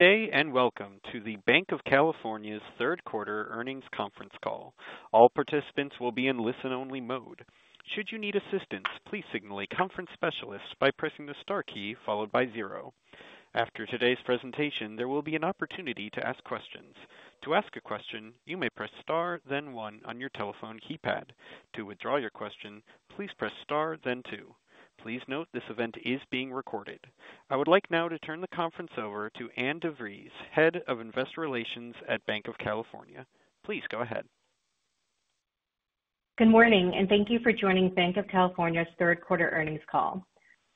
Good day, and welcome to the Banc of California's Third Quarter Earnings Conference Call. All participants will be in listen-only mode. Should you need assistance, please signal a conference specialist by pressing the star key followed by zero. After today's presentation, there will be an opportunity to ask questions. To ask a question, you may press star, then one on your telephone keypad. To withdraw your question, please press star then two. Please note, this event is being recorded. I would like now to turn the conference over to Ann DeVries, Head of Investor Relations at Banc of California. Please go ahead. Good morning, and thank you for joining Banc of California's third quarter earnings call.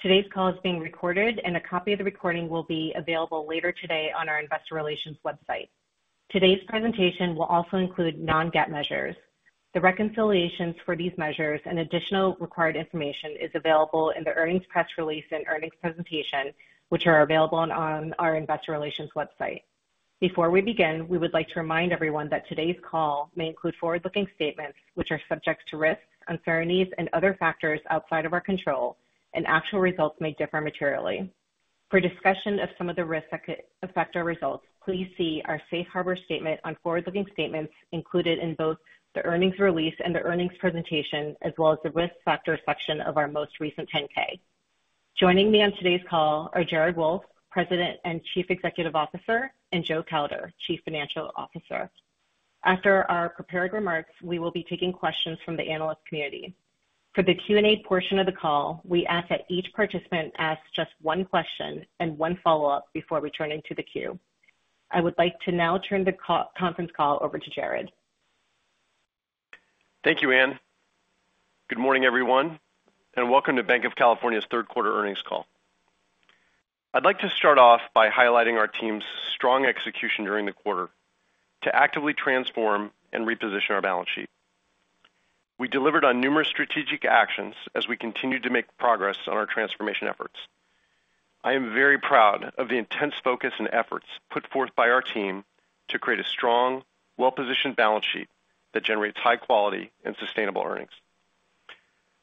Today's call is being recorded, and a copy of the recording will be available later today on our investor relations website. Today's presentation will also include non-GAAP measures. The reconciliations for these measures and additional required information is available in the earnings press release and earnings presentation, which are available on our investor relations website. Before we begin, we would like to remind everyone that today's call may include forward-looking statements which are subject to risks, uncertainties, and other factors outside of our control, and actual results may differ materially. For discussion of some of the risks that could affect our results, please see our safe harbor statement on forward-looking statements included in both the earnings release and the earnings presentation, as well as the risk factors section of our most recent 10-K. Joining me on today's call are Jared Wolff, President and Chief Executive Officer, and Joe Kauder, Chief Financial Officer. After our prepared remarks, we will be taking questions from the analyst community. For the Q&A portion of the call, we ask that each participant ask just one question and one follow-up before we turn into the queue. I would like to now turn the conference call over to Jared. Thank you, Ann. Good morning, everyone, and welcome to Banc of California's third quarter earnings call. I'd like to start off by highlighting our team's strong execution during the quarter to actively transform and reposition our balance sheet. We delivered on numerous strategic actions as we continued to make progress on our transformation efforts. I am very proud of the intense focus and efforts put forth by our team to create a strong, well-positioned balance sheet that generates high quality and sustainable earnings.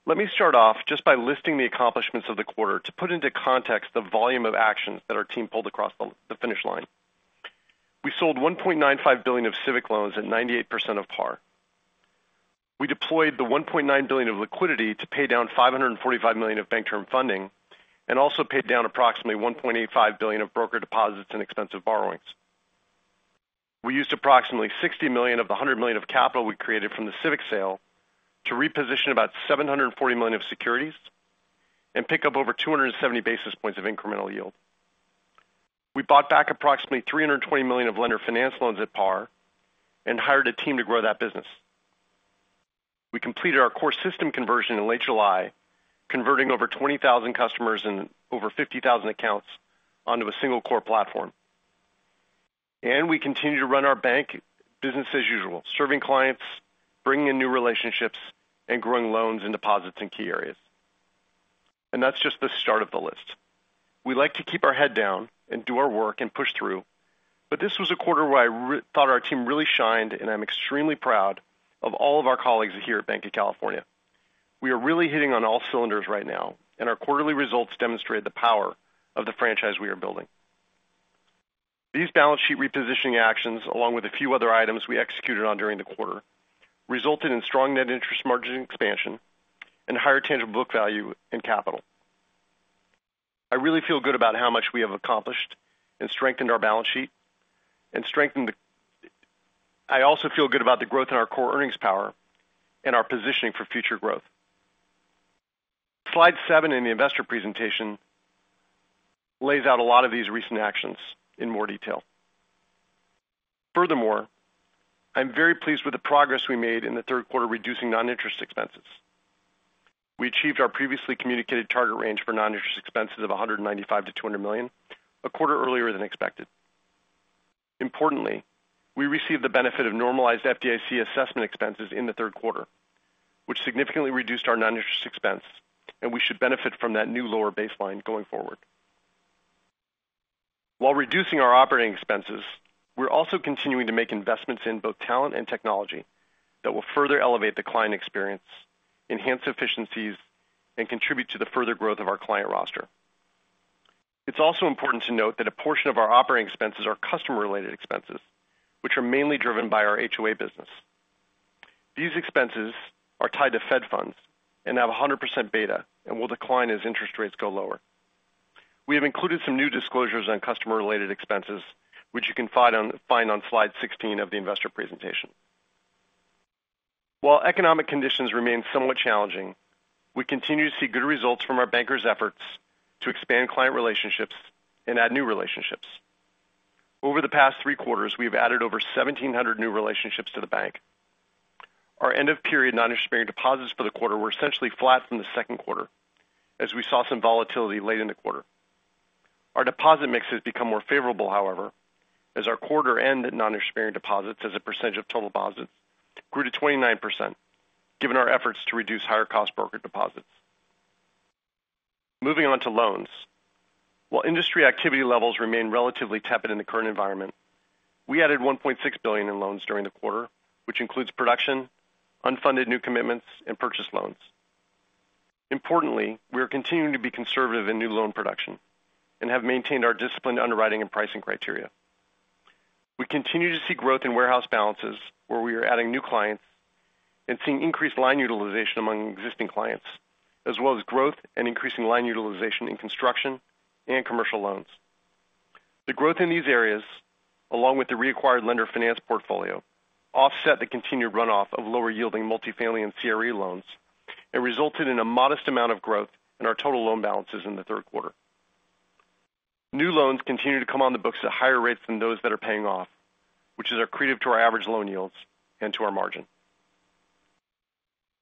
Let me start off just by listing the accomplishments of the quarter to put into context the volume of actions that our team pulled across the finish line. We sold $1.95 billion of Civic loans at 98% of par. We deployed the $1.9 billion of liquidity to pay down $545 million of Bank Term Funding and also paid down approximately $1.85 billion of broker deposits and expensive borrowings. We used approximately $60 million of the $100 million of capital we created from the Civic sale to reposition about $740 million of securities and pick up over 270 basis points of incremental yield. We bought back approximately $320 million of lender finance loans at par and hired a team to grow that business. We completed our core system conversion in late July, converting over 20,000 customers and over 50,000 accounts onto a single core platform. and we continue to run our bank business as usual, serving clients, bringing in new relationships, and growing loans and deposits in key areas. That's just the start of the list. We like to keep our head down and do our work and push through, but this was a quarter where I really thought our team really shined, and I'm extremely proud of all of our colleagues here at Banc of California. We are really hitting on all cylinders right now, and our quarterly results demonstrate the power of the franchise we are building. These balance sheet repositioning actions, along with a few other items we executed on during the quarter, resulted in strong net interest margin expansion and higher tangible book value and capital. I really feel good about how much we have accomplished and strengthened our balance sheet and strengthened the I also feel good about the growth in our core earnings power and our positioning for future growth. Slide seven in the investor presentation lays out a lot of these recent actions in more detail. Furthermore, I'm very pleased with the progress we made in the third quarter, reducing non-interest expenses. We achieved our previously communicated target range for non-interest expenses of $195 million-$200 million, a quarter earlier than expected. Importantly, we received the benefit of normalized FDIC assessment expenses in the third quarter, which significantly reduced our non-interest expense, and we should benefit from that new lower baseline going forward. While reducing our operating expenses, we're also continuing to make investments in both talent and technology that will further elevate the client experience, enhance efficiencies, and contribute to the further growth of our client roster. It's also important to note that a portion of our operating expenses are customer-related expenses, which are mainly driven by our HOA business. These expenses are tied to Fed funds and have a 100% beta and will decline as interest rates go lower. We have included some new disclosures on customer-related expenses, which you can find on slide 16 of the investor presentation. While economic conditions remain somewhat challenging, we continue to see good results from our bankers' efforts to expand client relationships and add new relationships. Over the past three quarters, we have added over 1,700 new relationships to the bank. Our end-of-period non-interest-bearing deposits for the quarter were essentially flat from the second quarter as we saw some volatility late in the quarter. Our deposit mix has become more favorable, however, as our quarter-end non-interest-bearing deposits as a percentage of total deposits grew to 29%, given our efforts to reduce higher-cost broker deposits. Moving on to loans. While industry activity levels remain relatively tepid in the current environment, we added $1.6 billion in loans during the quarter, which includes production, unfunded new commitments, and purchase loans. Importantly, we are continuing to be conservative in new loan production and have maintained our disciplined underwriting and pricing criteria. We continue to see growth in warehouse balances, where we are adding new clients and seeing increased line utilization among existing clients, as well as growth and increasing line utilization in construction and commercial loans. The growth in these areas, along with the reacquired lender finance portfolio, offset the continued runoff of lower yielding multifamily and CRE loans and resulted in a modest amount of growth in our total loan balances in the third quarter. New loans continue to come on the books at higher rates than those that are paying off, which is accretive to our average loan yields and to our margin.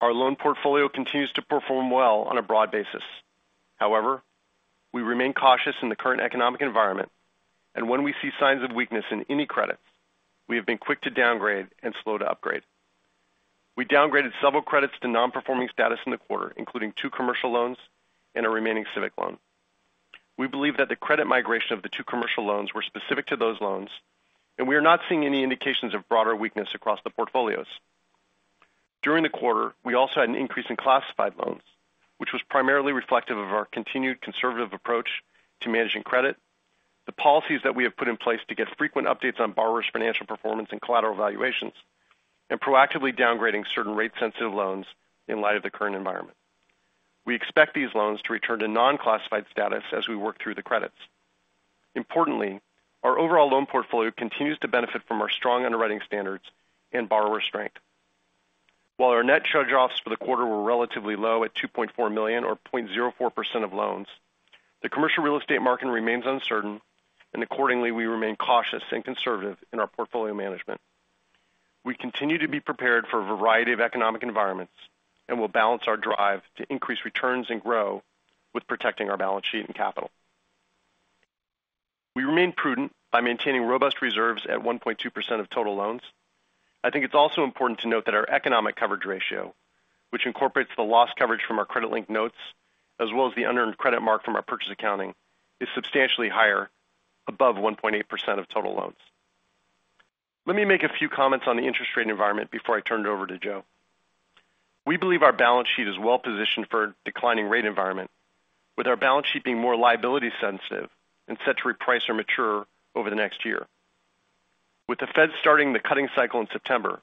Our loan portfolio continues to perform well on a broad basis. However, we remain cautious in the current economic environment, and when we see signs of weakness in any credit, we have been quick to downgrade and slow to upgrade. We downgraded several credits to non-performing status in the quarter, including two commercial loans and a remaining Civic loan. We believe that the credit migration of the two commercial loans were specific to those loans, and we are not seeing any indications of broader weakness across the portfolios. During the quarter, we also had an increase in classified loans, which was primarily reflective of our continued conservative approach to managing credit, the policies that we have put in place to get frequent updates on borrowers' financial performance and collateral valuations, and proactively downgrading certain rate-sensitive loans in light of the current environment. We expect these loans to return to non-classified status as we work through the credits. Importantly, our overall loan portfolio continues to benefit from our strong underwriting standards and borrower strength. While our net charge-offs for the quarter were relatively low at $2.4 million, or 0.04% of loans, the commercial real estate market remains uncertain, and accordingly, we remain cautious and conservative in our portfolio management. We continue to be prepared for a variety of economic environments and will balance our drive to increase returns and grow with protecting our balance sheet and capital. We remain prudent by maintaining robust reserves at 1.2% of total loans. I think it's also important to note that our economic coverage ratio, which incorporates the loss coverage from our credit-linked notes, as well as the unearned credit mark from our purchase accounting, is substantially higher, above 1.8% of total loans. Let me make a few comments on the interest rate environment before I turn it over to Joe. We believe our balance sheet is well positioned for a declining rate environment, with our balance sheet being more liability sensitive and set to reprice or mature over the next year. With the Fed starting the cutting cycle in September,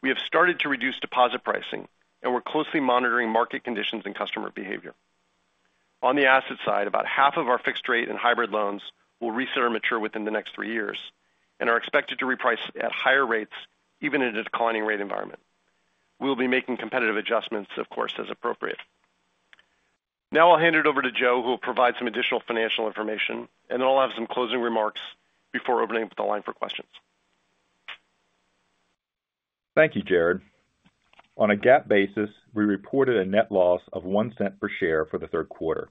we have started to reduce deposit pricing, and we're closely monitoring market conditions and customer behavior. On the asset side, about half of our fixed rate and hybrid loans will reset or mature within the next three years and are expected to reprice at higher rates, even in a declining rate environment. We'll be making competitive adjustments, of course, as appropriate. Now I'll hand it over to Joe, who will provide some additional financial information, and then I'll have some closing remarks before opening up the line for questions. Thank you, Jared. On a GAAP basis, we reported a net loss of $0.01 per share for the third quarter,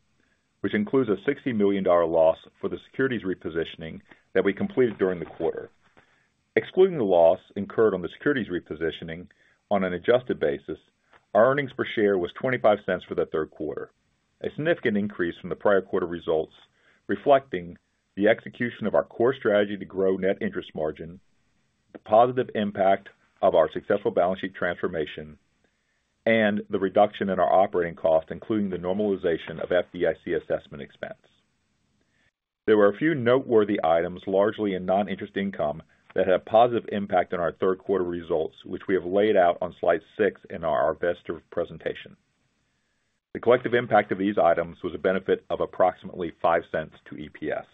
which includes a $60 million loss for the securities repositioning that we completed during the quarter. Excluding the loss incurred on the securities repositioning, on an adjusted basis, our earnings per share was $0.25 for the third quarter, a significant increase from the prior quarter results, reflecting the execution of our core strategy to grow net interest margin, the positive impact of our successful balance sheet transformation, and the reduction in our operating costs, including the normalization of FDIC assessment expense. There were a few noteworthy items, largely in non-interest income, that had a positive impact on our third quarter results, which we have laid out on slide six in our investor presentation. The collective impact of these items was a benefit of approximately $0.05 to EPS.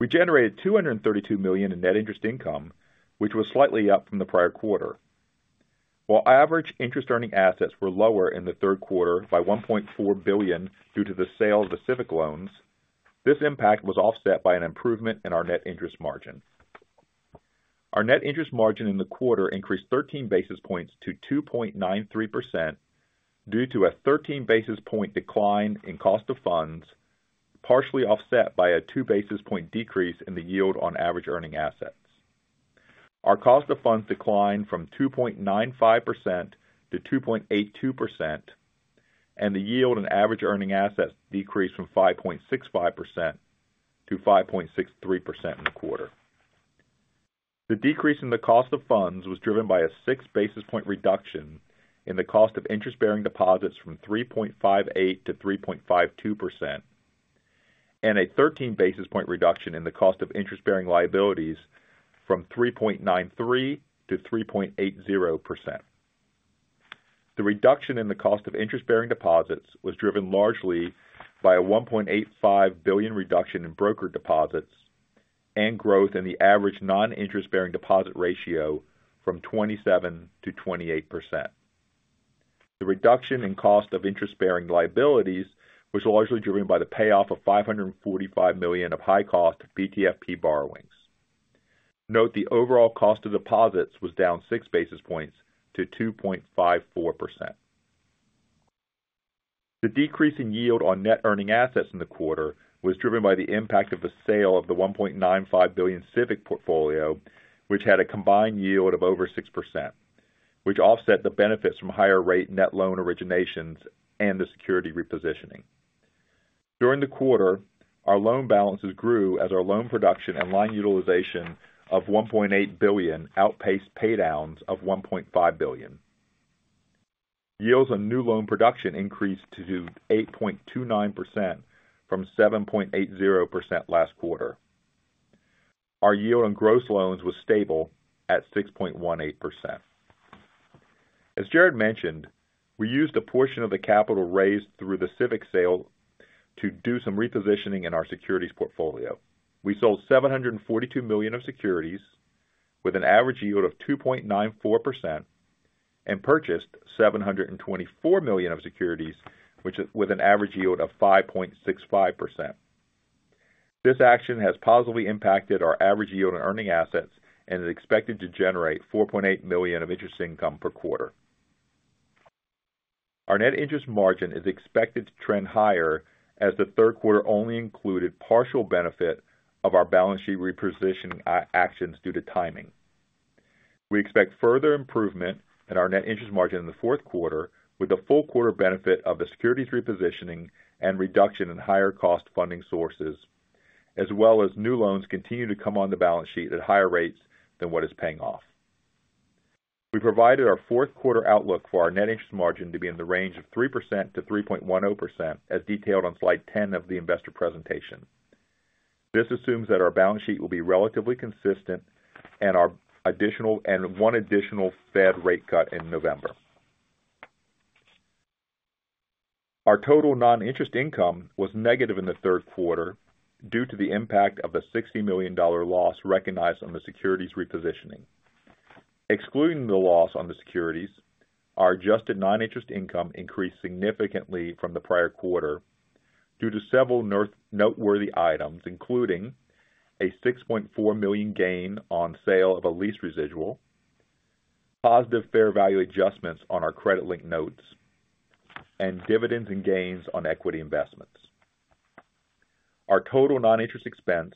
We generated $232 million in net interest income, which was slightly up from the prior quarter. While average interest earning assets were lower in the third quarter by $1.4 billion due to the sale of the Civic loans, this impact was offset by an improvement in our net interest margin. Our net interest margin in the quarter increased 13 basis points to 2.93% due to a 13 basis point decline in cost of funds, partially offset by a 2 basis point decrease in the yield on average earning assets. Our cost of funds declined from 2.95%-2.82%, and the yield on average earning assets decreased from 5.65%-5.63% in the quarter. The decrease in the cost of funds was driven by a 6 basis point reduction in the cost of interest-bearing deposits from 3.58%-3.52%, and a 13 basis point reduction in the cost of interest-bearing liabilities from 3.93%-3.80%. The reduction in the cost of interest-bearing deposits was driven largely by a $1.85 billion reduction in broker deposits and growth in the average non-interest-bearing deposit ratio from 27%-28%. The reduction in cost of interest-bearing liabilities was largely driven by the payoff of $545 million of high cost BTFP borrowings. Note, the overall cost of deposits was down 6 basis points to 2.54%. The decrease in yield on net earning assets in the quarter was driven by the impact of the sale of the $1.95 billion Civic portfolio, which had a combined yield of over 6%, which offset the benefits from higher rate net loan originations and the security repositioning. During the quarter, our loan balances grew as our loan production and line utilization of $1.8 billion outpaced paydowns of $1.5 billion. Yields on new loan production increased to 8.29% from 7.80% last quarter. Our yield on gross loans was stable at 6.18%. As Jared mentioned, we used a portion of the capital raised through the Civic sale to do some repositioning in our securities portfolio. We sold $742 million of securities with an average yield of 2.94% and purchased $724 million of securities with an average yield of 5.65%. This action has positively impacted our average yield on earning assets and is expected to generate $4.8 million of interest income per quarter. Our net interest margin is expected to trend higher as the third quarter only included partial benefit of our balance sheet repositioning actions due to timing. We expect further improvement in our net interest margin in the fourth quarter, with the full quarter benefit of the securities repositioning and reduction in higher cost funding sources, as well as new loans continue to come on the balance sheet at higher rates than what is paying off. We provided our fourth quarter outlook for our net interest margin to be in the range of 3%-3.10%, as detailed on slide 10 of the investor presentation. This assumes that our balance sheet will be relatively consistent and one additional Fed rate cut in November. Our total non-interest income was negative in the third quarter due to the impact of the $60 million loss recognized on the securities repositioning. Excluding the loss on the securities, our adjusted non-interest income increased significantly from the prior quarter due to several noteworthy items, including a $6.4 million gain on sale of a lease residual, positive fair value adjustments on our credit-linked notes, and dividends and gains on equity investments. Our total non-interest expense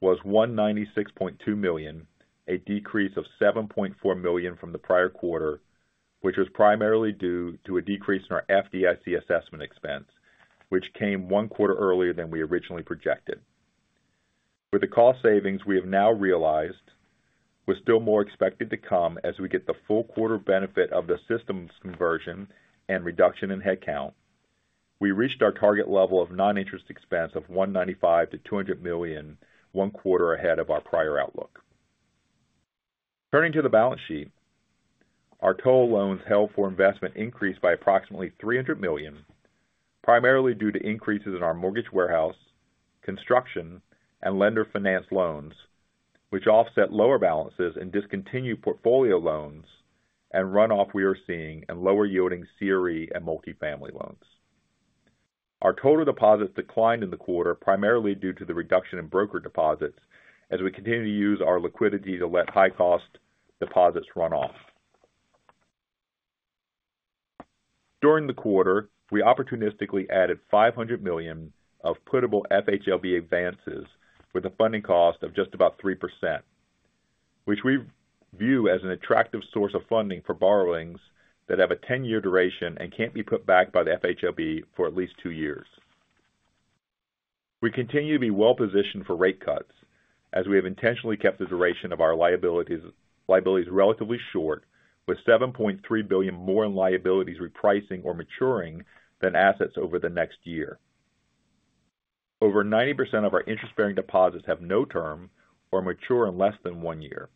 was $196.2 million, a decrease of $7.4 million from the prior quarter, which was primarily due to a decrease in our FDIC assessment expense, which came one quarter earlier than we originally projected. With the cost savings we have now realized, with still more expected to come as we get the full quarter benefit of the systems conversion and reduction in headcount, we reached our target level of non-interest expense of $195 million-$200 million, one quarter ahead of our prior outlook. Turning to the balance sheet, our total loans held for investment increased by approximately $300 million, primarily due to increases in our mortgage warehouse, construction, and lender finance loans, which offset lower balances in discontinued portfolio loans and runoff we are seeing in lower yielding CRE and multifamily loans. Our total deposits declined in the quarter, primarily due to the reduction in broker deposits as we continue to use our liquidity to let high-cost deposits run off. During the quarter, we opportunistically added $500 million of puttable FHLB advances with a funding cost of just about 3%, which we view as an attractive source of funding for borrowings that have a ten-year duration and can't be put back by the FHLB for at least two years. We continue to be well-positioned for rate cuts, as we have intentionally kept the duration of our liabilities relatively short, with $7.3 billion more in liabilities repricing or maturing than assets over the next year. Over 90% of our interest-bearing deposits have no term or mature in less than one year.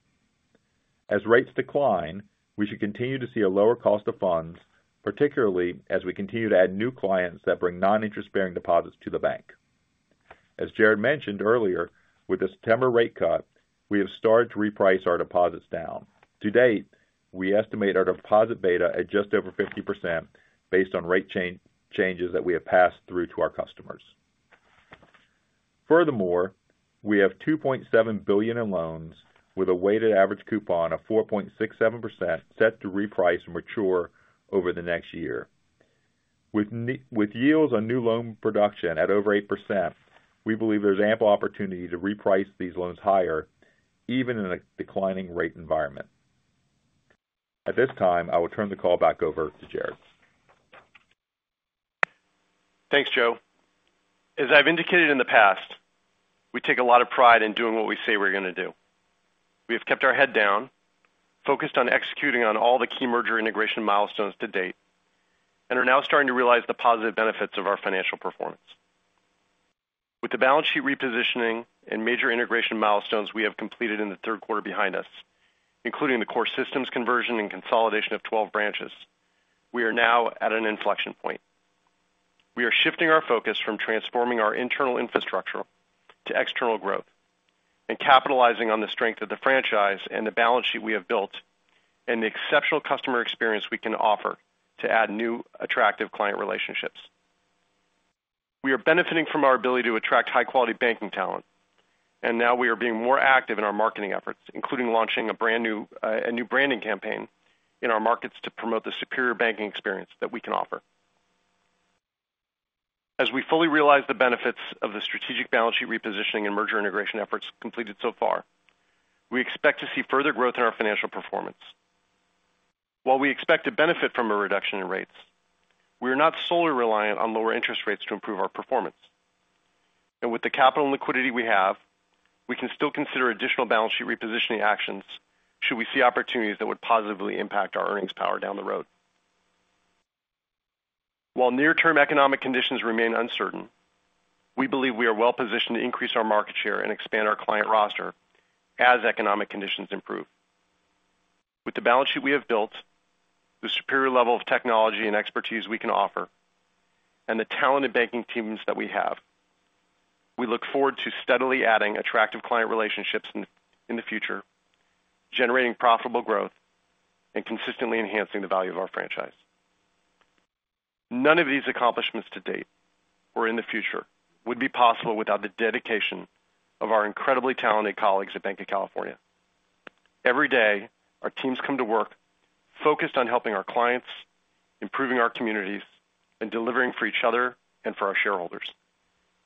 As rates decline, we should continue to see a lower cost of funds, particularly as we continue to add new clients that bring non-interest bearing deposits to the bank. As Jared mentioned earlier, with the September rate cut, we have started to reprice our deposits down. To date, we estimate our deposit beta at just over 50% based on rate changes that we have passed through to our customers. Furthermore, we have $2.7 billion in loans with a weighted average coupon of 4.67% set to reprice and mature over the next year. With yields on new loan production at over 8%, we believe there's ample opportunity to reprice these loans higher, even in a declining rate environment. At this time, I will turn the call back over to Jared. Thanks, Joe. As I've indicated in the past, we take a lot of pride in doing what we say we're going to do. We have kept our head down, focused on executing on all the key merger integration milestones to date, and are now starting to realize the positive benefits of our financial performance. With the balance sheet repositioning and major integration milestones we have completed in the third quarter behind us, including the core systems conversion and consolidation of 12 branches, we are now at an inflection point. We are shifting our focus from transforming our internal infrastructure to external growth and capitalizing on the strength of the franchise and the balance sheet we have built, and the exceptional customer experience we can offer to add new, attractive client relationships. We are benefiting from our ability to attract high-quality banking talent, and now we are being more active in our marketing efforts, including launching a brand new branding campaign in our markets to promote the superior banking experience that we can offer. As we fully realize the benefits of the strategic balance sheet repositioning and merger integration efforts completed so far, we expect to see further growth in our financial performance, while we expect to benefit from a reduction in rates, we are not solely reliant on lower interest rates to improve our performance, and with the capital and liquidity we have, we can still consider additional balance sheet repositioning actions should we see opportunities that would positively impact our earnings power down the road. While near-term economic conditions remain uncertain, we believe we are well-positioned to increase our market share and expand our client roster as economic conditions improve. With the balance sheet we have built, the superior level of technology and expertise we can offer, and the talented banking teams that we have, we look forward to steadily adding attractive client relationships in the future, generating profitable growth, and consistently enhancing the value of our franchise. None of these accomplishments to date or in the future would be possible without the dedication of our incredibly talented colleagues at Banc of California. Every day, our teams come to work focused on helping our clients, improving our communities, and delivering for each other and for our shareholders.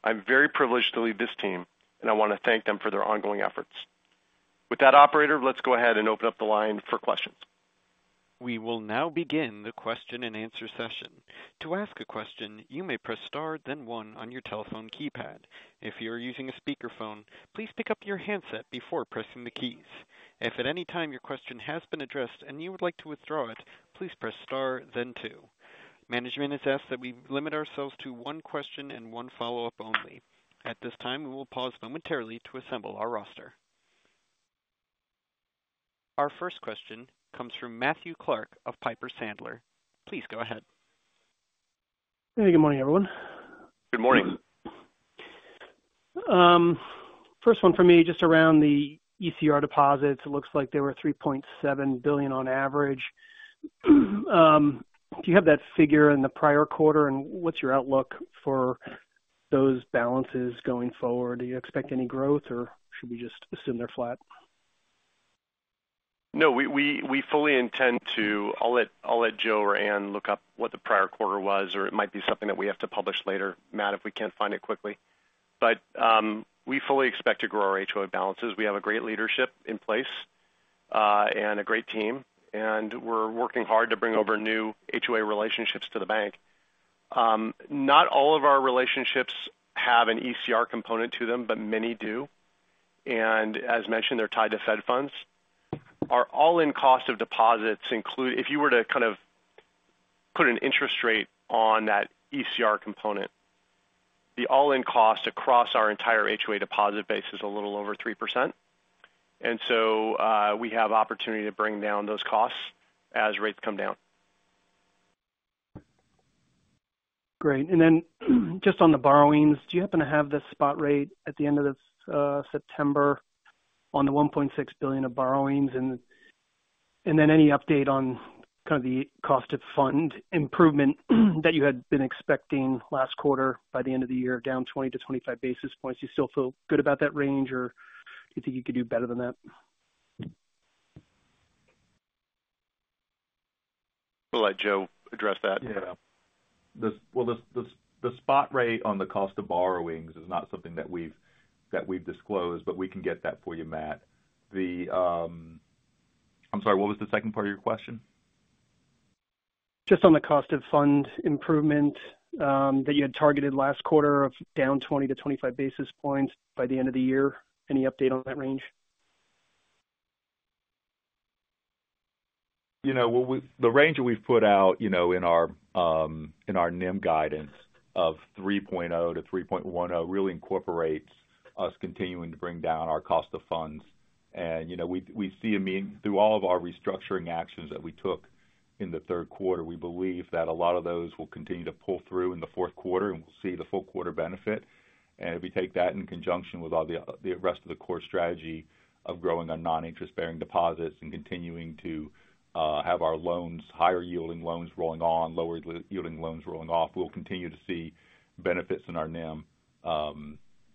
I'm very privileged to lead this team, and I want to thank them for their ongoing efforts. With that, operator, let's go ahead and open up the line for questions. We will now begin the question-and-answer session. To ask a question, you may press star then one on your telephone keypad. If you are using a speakerphone, please pick up your handset before pressing the keys. If at any time your question has been addressed and you would like to withdraw it, please press star then two. Management has asked that we limit ourselves to one question and one follow-up only. At this time, we will pause momentarily to assemble our roster. Our first question comes from Matthew Clark of Piper Sandler. Please go ahead. Hey, good morning, everyone. Good morning. First one for me, just around the ECR deposits. It looks like they were $3.7 billion on average. Do you have that figure in the prior quarter, and what's your outlook for those balances going forward? Do you expect any growth, or should we just assume they're flat? No, we fully intend to. I'll let Joe or Ann look up what the prior quarter was, or it might be something that we have to publish later, Matt, if we can't find it quickly. But we fully expect to grow our HOA balances. We have a great leadership in place, and a great team, and we're working hard to bring over new HOA relationships to the bank. Not all of our relationships have an ECR component to them, but many do, and as mentioned, they're tied to Fed funds. Our all-in cost of deposits include, if you were to kind of put an interest rate on that ECR component, the all-in cost across our entire HOA deposit base is a little over 3%. And so, we have opportunity to bring down those costs as rates come down. Great. And then just on the borrowings, do you happen to have the spot rate at the end of this September on the $1.6 billion of borrowings? And then any update on kind of the cost of fund improvement that you had been expecting last quarter by the end of the year, down 20-25 basis points? Do you still feel good about that range, or do you think you could do better than that? We'll let Joe address that. Yeah. Well, the spot rate on the cost of borrowings is not something that we've disclosed, but we can get that for you, Matt. I'm sorry, what was the second part of your question? Just on the cost of fund improvement, that you had targeted last quarter of down 20-25 basis points by the end of the year. Any update on that range? You know, well, the range that we've put out, you know, in our NIM guidance of 3.0%-3.10%, really incorporates us continuing to bring down our cost of funds. And, you know, we see them through all of our restructuring actions that we took in the third quarter, we believe that a lot of those will continue to pull through in the fourth quarter, and we'll see the full quarter benefit. And if we take that in conjunction with all the rest of the core strategy of growing our non-interest-bearing deposits and continuing to have our loans, higher-yielding loans rolling on, lower-yielding loans rolling off, we'll continue to see benefits in our NIM.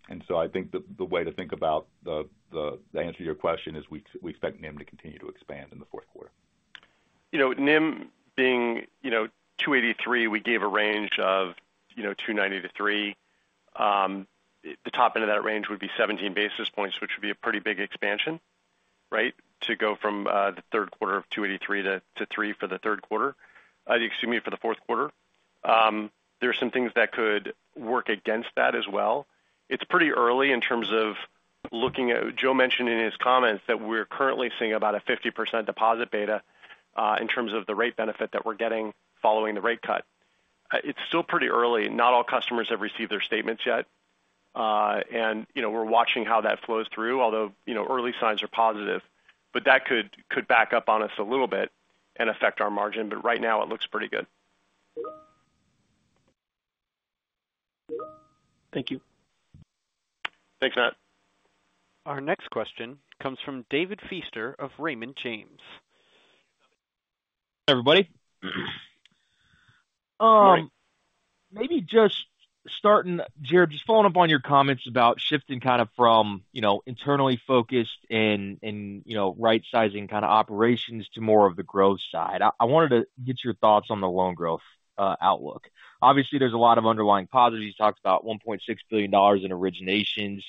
And so I think the way to think about the answer to your question is we expect NIM to continue to expand in the fourth quarter. You know, NIM being, you know, 2.83%, we gave a range of, you know, 2.90% to 3%. The top end of that range would be 17 basis points, which would be a pretty big expansion, right? To go from the third quarter of 2.83%-3% for the third quarter. Excuse me, for the fourth quarter. There are some things that could work against that as well. It's pretty early in terms of looking at. Joe mentioned in his comments that we're currently seeing about a 50% deposit beta in terms of the rate benefit that we're getting following the rate cut. It's still pretty early. Not all customers have received their statements yet. And, you know, we're watching how that flows through, although, you know, early signs are positive, but that could back up on us a little bit and affect our margin, but right now, it looks pretty good. Thank you. Thanks, Matt. Our next question comes from David Feaster of Raymond James. Hey, everybody. Hi. Maybe just starting, Jared, just following up on your comments about shifting kind of from, you know, internally focused and you know, right sizing kind of operations to more of the growth side. I wanted to get your thoughts on the loan growth outlook. Obviously, there's a lot of underlying positives. You talked about $1.6 billion in originations,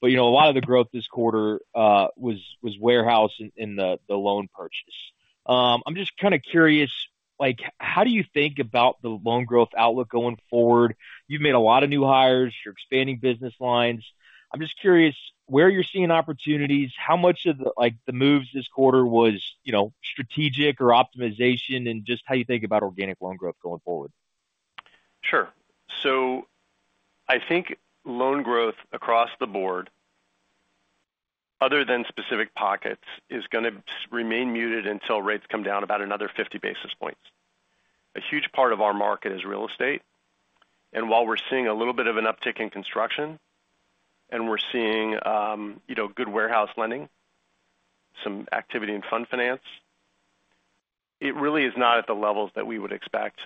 but you know, a lot of the growth this quarter was warehoused in the loan purchase. I'm just kind of curious, like, how do you think about the loan growth outlook going forward? You've made a lot of new hires. You're expanding business lines. I'm just curious where you're seeing opportunities, how much of the, like, the moves this quarter was, you know, strategic or optimization, and just how you think about organic loan growth going forward. Sure. So I think loan growth across the board, other than specific pockets, is gonna remain muted until rates come down about another 50 basis points. A huge part of our market is real estate, and while we're seeing a little bit of an uptick in construction, and we're seeing, you know, good warehouse lending, some activity in fund finance, it really is not at the levels that we would expect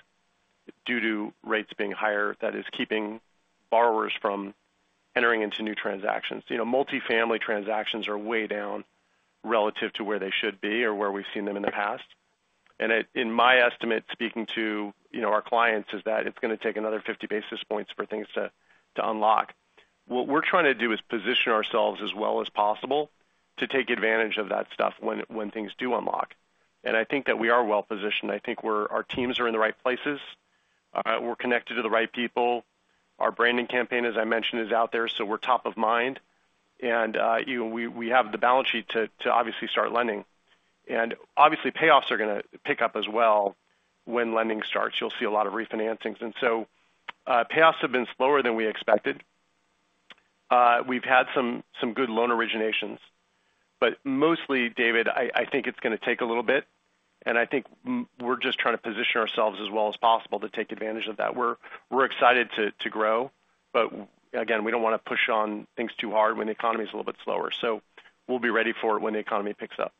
due to rates being higher that is keeping borrowers from entering into new transactions. You know, multifamily transactions are way down relative to where they should be or where we've seen them in the past. And in my estimate, speaking to, you know, our clients, is that it's gonna take another 50 basis points for things to unlock. What we're trying to do is position ourselves as well as possible to take advantage of that stuff when things do unlock. And I think that we are well positioned. I think our teams are in the right places. We're connected to the right people. Our branding campaign, as I mentioned, is out there, so we're top of mind. And, you know, we have the balance sheet to obviously start lending. And obviously, payoffs are gonna pick up as well when lending starts. You'll see a lot of refinancings. And so, payoffs have been slower than we expected. We've had some good loan originations. But mostly, David, I think it's gonna take a little bit, and I think we're just trying to position ourselves as well as possible to take advantage of that. We're excited to grow, but again, we don't want to push on things too hard when the economy is a little bit slower, so we'll be ready for it when the economy picks up.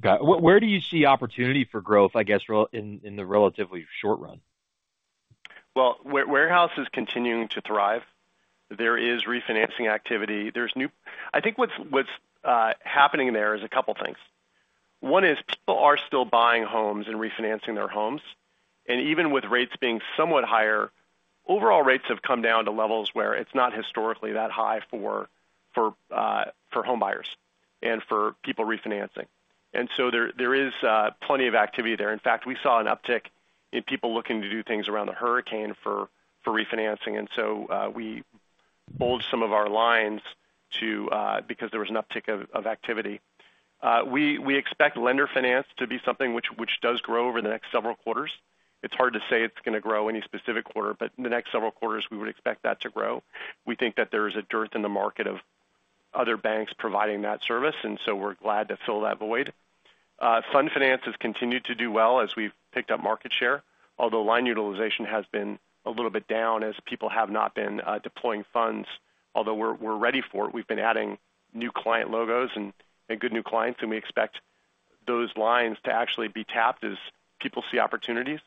Got it. Where do you see opportunity for growth, I guess, in the relatively short run? Warehouse is continuing to thrive. There is refinancing activity. There's new. I think what's happening there is a couple things. One is people are still buying homes and refinancing their homes, and even with rates being somewhat higher, overall rates have come down to levels where it's not historically that high for homebuyers and for people refinancing, and so there is plenty of activity there. In fact, we saw an uptick in people looking to do things around the hurricane for refinancing, and so we bolstered some of our lines too, because there was an uptick of activity. We expect lender finance to be something which does grow over the next several quarters. It's hard to say it's gonna grow any specific quarter, but in the next several quarters, we would expect that to grow. We think that there is a dearth in the market of other banks providing that service, and so we're glad to fill that void. Fund finance has continued to do well as we've picked up market share, although line utilization has been a little bit down as people have not been deploying funds. Although we're ready for it. We've been adding new client logos and good new clients, and we expect those lines to actually be tapped as people see opportunities.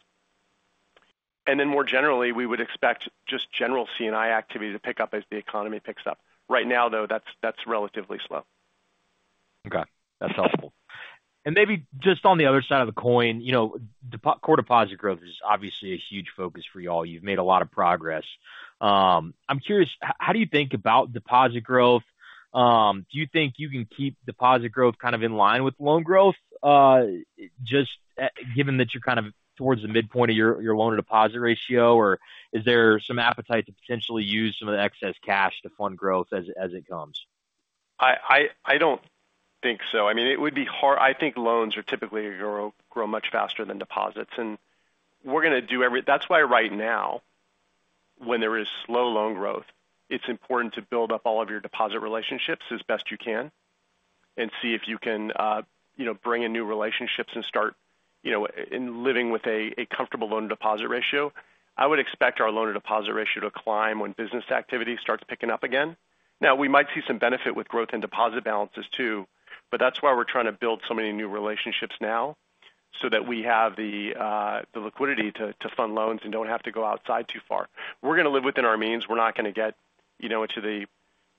And then more generally, we would expect just general C&I activity to pick up as the economy picks up. Right now, though, that's relatively slow. Okay, that's helpful. And maybe just on the other side of the coin, you know, core deposit growth is obviously a huge focus for you all. You've made a lot of progress. I'm curious, how do you think about deposit growth? Do you think you can keep deposit growth kind of in line with loan growth? Just given that you're kind of towards the midpoint of your loan-to-deposit ratio, or is there some appetite to potentially use some of the excess cash to fund growth as it comes? I don't think so. I mean, I think loans are typically grow much faster than deposits. That's why right now, when there is slow loan growth, it's important to build up all of your deposit relationships as best you can and see if you can, you know, bring in new relationships and start, you know, living with a comfortable loan-to-deposit ratio. I would expect our loan-to-deposit ratio to climb when business activity starts picking up again. Now, we might see some benefit with growth in deposit balances too, but that's why we're trying to build so many new relationships now, so that we have the liquidity to fund loans and don't have to go outside too far. We're gonna live within our means. We're not gonna get, you know, into the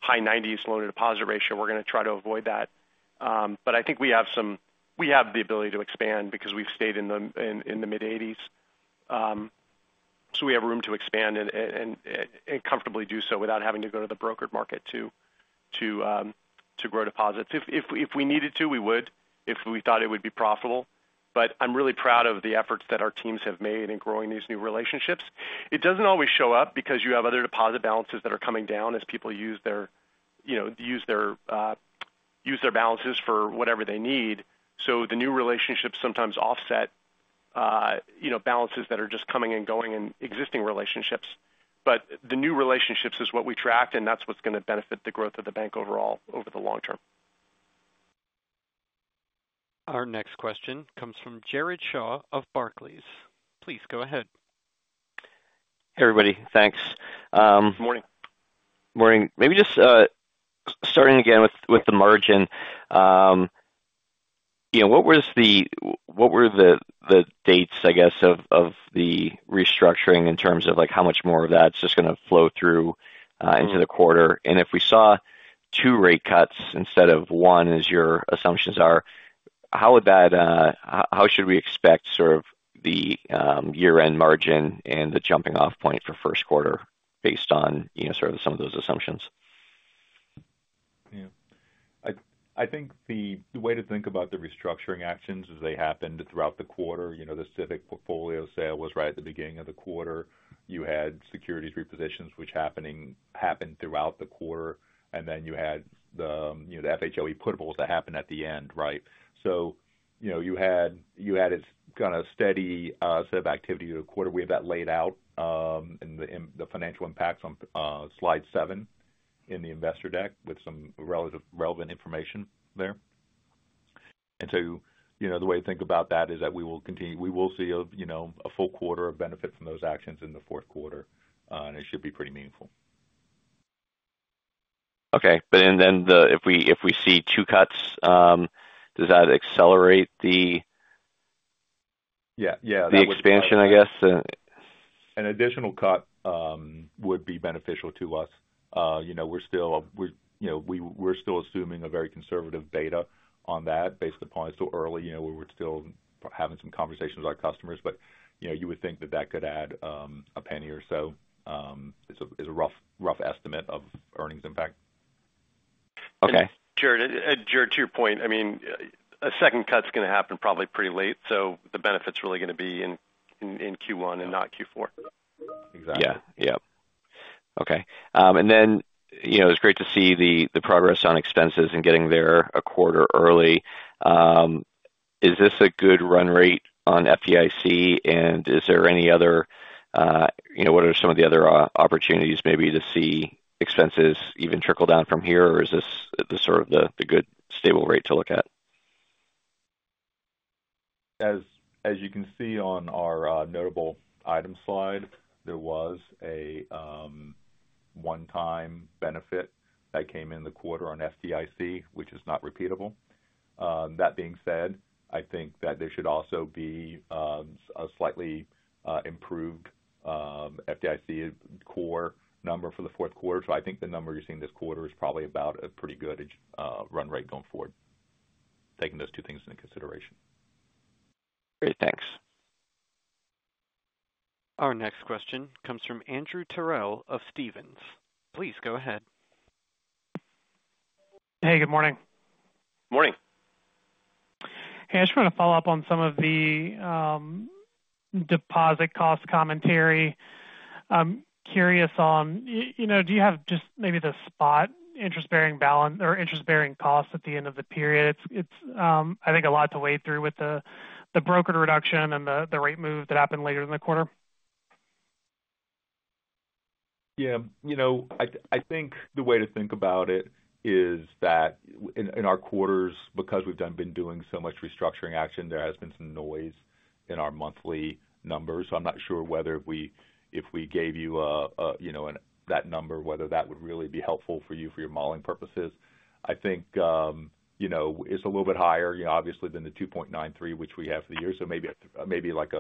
high 90s loan-to-deposit ratio. We're gonna try to avoid that. But I think we have the ability to expand because we've stayed in the mid-80s. So we have room to expand and comfortably do so without having to go to the brokered market to grow deposits. If we needed to, we would, if we thought it would be profitable. But I'm really proud of the efforts that our teams have made in growing these new relationships. It doesn't always show up because you have other deposit balances that are coming down as people use their, you know, balances for whatever they need. So the new relationships sometimes offset, you know, balances that are just coming and going in existing relationships. But the new relationships is what we track, and that's what's gonna benefit the growth of the bank overall over the long term. Our next question comes from Jared Shaw of Barclays. Please go ahead. Hey, everybody. Thanks. Good morning. Morning. Maybe just, starting again with the margin. You know, what were the dates, I guess, of the restructuring in terms of, like, how much more of that's just gonna flow through into the quarter? And if we saw two rate cuts instead of one, as your assumptions are, how would that, how should we expect sort of the year-end margin and the jumping-off point for first quarter based on, you know, sort of some of those assumptions? I think the way to think about the restructuring actions as they happened throughout the quarter, you know, the Civic portfolio sale was right at the beginning of the quarter. You had securities repositions, which happened throughout the quarter, and then you had the, you know, the FHLB putables that happened at the end, right? So, you know, you had, you had a kind of steady set of activity in the quarter. We have that laid out in the financial impacts on slide seven in the investor deck, with some relevant information there. And so, you know, the way to think about that is that we will continue. We will see a full quarter of benefit from those actions in the fourth quarter, and it should be pretty meaningful. Okay. But if we see two cuts, does that accelerate the- Yeah, yeah. The expansion, I guess? An additional cut would be beneficial to us. You know, we're still assuming a very conservative beta on that based upon it's still early. You know, we're still having some conversations with our customers, but you know, you would think that that could add $0.01 or so as a rough estimate of earnings impact. Okay. Jared, to your point, I mean, a second cut's going to happen probably pretty late, so the benefit's really going to be in Q1 and not Q4. Exactly. Okay. And then, you know, it's great to see the progress on expenses and getting there a quarter early. Is this a good run rate on FDIC, and is there any other, you know, what are some of the other opportunities maybe to see expenses even trickle down from here? Or is this the sort of good stable rate to look at? As you can see on our notable item slide, there was a one-time benefit that came in the quarter on FDIC, which is not repeatable. That being said, I think that there should also be a slightly improved FDIC core number for the fourth quarter. So I think the number you're seeing this quarter is probably about a pretty good run rate going forward, taking those two things into consideration. Great. Thanks. Our next question comes from Andrew Terrell of Stephens. Please go ahead. Hey, good morning. Morning. Hey, I just want to follow up on some of the deposit cost commentary. I'm curious on, you know, do you have just maybe the spot interest-bearing balance or interest-bearing costs at the end of the period? It's, I think, a lot to wade through with the broker reduction and the rate move that happened later in the quarter. Yeah. You know, I think the way to think about it is that in our quarters, because we've been doing so much restructuring action, there has been some noise in our monthly numbers. So I'm not sure whether if we gave you a, you know, that number, whether that would really be helpful for you, for your modeling purposes. I think, you know, it's a little bit higher, you know, obviously than the two point nine three, which we have for the year. So maybe like,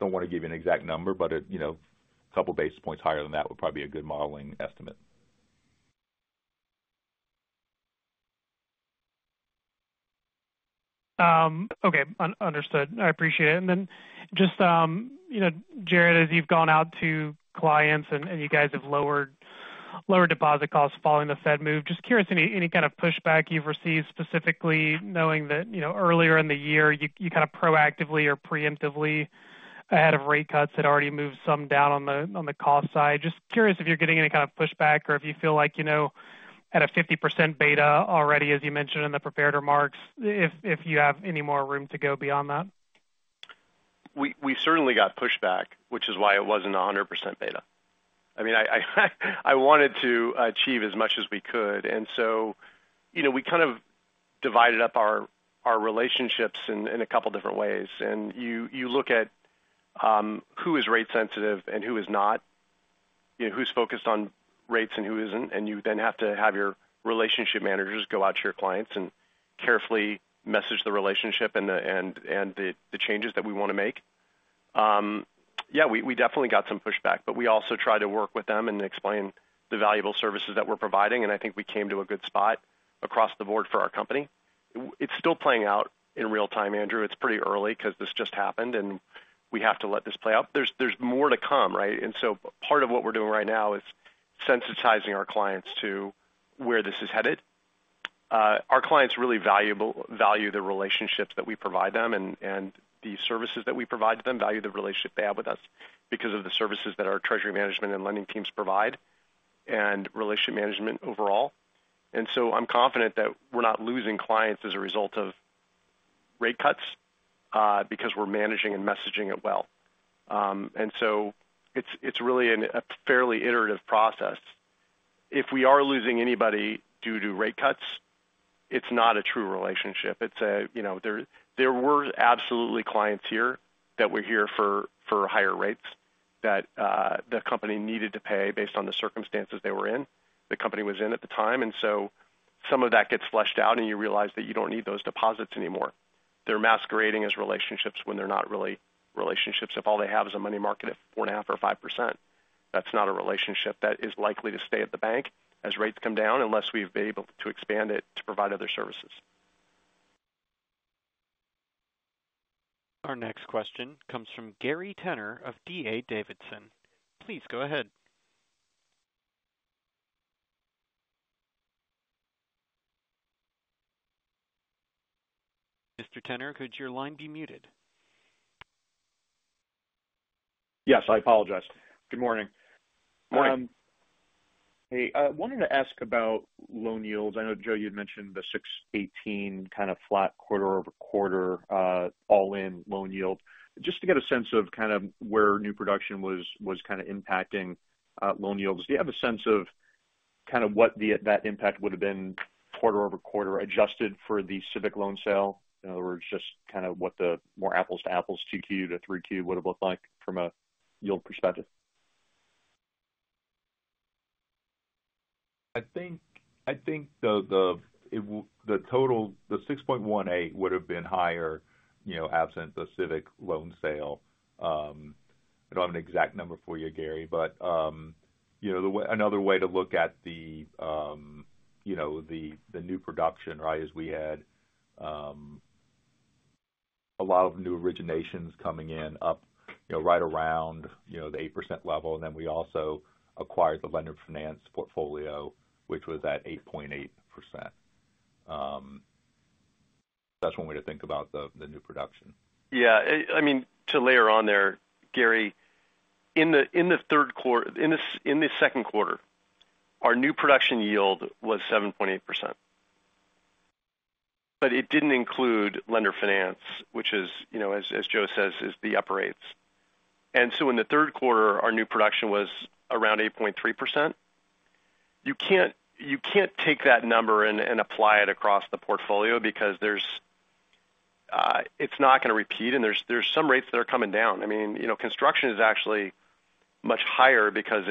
don't want to give you an exact number, but it, you know, a couple basis points higher than that would probably be a good modeling estimate. Okay. Understood. I appreciate it. And then just, you know, Jared, as you've gone out to clients and you guys have lowered deposit costs following the Fed move, just curious, any kind of pushback you've received, specifically knowing that, you know, earlier in the year, you kind of proactively or preemptively ahead of rate cuts, had already moved some down on the cost side. Just curious if you're getting any kind of pushback or if you feel like, you know, at a 50% beta already, as you mentioned in the prepared remarks, if you have any more room to go beyond that. We certainly got pushback, which is why it wasn't 100% beta. I mean, I wanted to achieve as much as we could, and so, you know, we kind of divided up our relationships in a couple different ways. And you look at who is rate sensitive and who is not, you know, who's focused on rates and who isn't. And you then have to have your relationship managers go out to your clients and carefully message the relationship and the changes that we want to make. Yeah, we definitely got some pushback, but we also tried to work with them and explain the valuable services that we're providing, and I think we came to a good spot across the board for our company. It's still playing out in real time, Andrew. It's pretty early because this just happened, and we have to let this play out. There's more to come, right? And so part of what we're doing right now is sensitizing our clients to where this is headed. Our clients really value the relationships that we provide them and the services that we provide to them, value the relationship they have with us because of the services that our treasury management and lending teams provide, and relationship management overall. And so I'm confident that we're not losing clients as a result of rate cuts, because we're managing and messaging it well. And so it's really a fairly iterative process. If we are losing anybody due to rate cuts, it's not a true relationship. It's a, you know. There were absolutely clients here that were here for higher rates that the company needed to pay based on the circumstances they were in, the company was in at the time, and so some of that gets flushed out, and you realize that you don't need those deposits anymore. They're masquerading as relationships when they're not really relationships. If all they have is a money market at 4.5% or 5%, that's not a relationship that is likely to stay at the bank as rates come down, unless we've been able to expand it to provide other services. Our next question comes from Gary Tenner of D.A. Davidson. Please go ahead. Mr. Tenner, could your line be muted? Yes, I apologize. Good morning. Morning. Hey, I wanted to ask about loan yields. I know, Joe, you'd mentioned the 6.18% kind of flat quarter over quarter, all-in loan yield. Just to get a sense of kind of where new production was kind of impacting loan yields. Do you have a sense of kind of what that impact would have been quarter over quarter, adjusted for the Civic loan sale? In other words, just kind of what the more apples-to-apples, 2Q to 3Q would have looked like from a yield perspective. I think the total, the 6.18% would have been higher, you know, absent the Civic loan sale. I don't have an exact number for you, Gary, but you know, another way to look at the, you know, the new production, right, is we had a lot of new originations coming in up, you know, right around, you know, the 8% level. And then we also acquired the lender finance portfolio, which was at 8.8%. That's one way to think about the new production. Yeah, I mean, to layer on there, Gary, in the second quarter, our new production yield was 7.8%. But it didn't include lender finance, which is, you know, as Joe says, the upper 8s. And so in the third quarter, our new production was around 8.3%. You can't take that number and apply it across the portfolio because it's not going to repeat, and there's some rates that are coming down. I mean, you know, construction is actually much higher because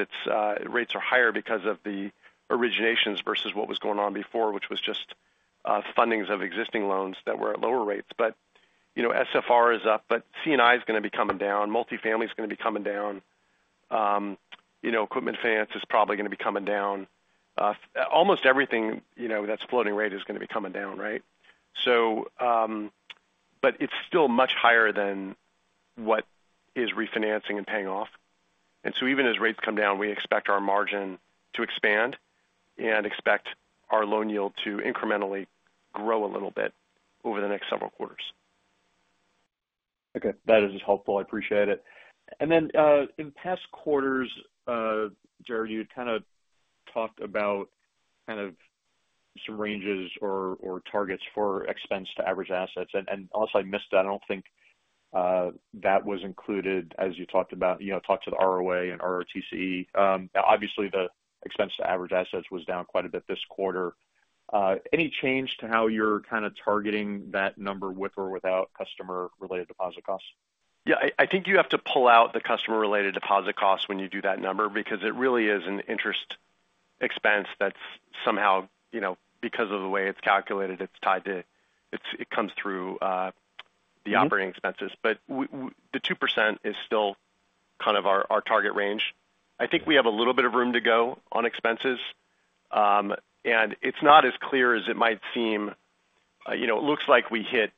rates are higher because of the originations versus what was going on before, which was just fundings of existing loans that were at lower rates. But, you know, SFR is up, but C&I is going to be coming down. Multi-family is going to be coming down. You know, equipment finance is probably going to be coming down. Almost everything, you know, that's floating rate is going to be coming down, right? So, but it's still much higher than what is refinancing and paying off. And so even as rates come down, we expect our margin to expand and expect our loan yield to incrementally grow a little bit over the next several quarters. Okay, that is helpful. I appreciate it. And then, in past quarters, Jared, you kind of talked about kind of some ranges or targets for expense to average assets. And also I missed that. I don't think that was included as you talked about, you know, talked about the ROA and ROTCE. Obviously, the expense to average assets was down quite a bit this quarter. Any change to how you're kind of targeting that number with or without customer-related deposit costs? Yeah, I think you have to pull out the customer-related deposit costs when you do that number, because it really is an interest expense that's somehow, you know, because of the way it's calculated, it's tied to it. It comes through the operating expenses. But the 2% is still kind of our target range. I think we have a little bit of room to go on expenses, and it's not as clear as it might seem. You know, it looks like we hit,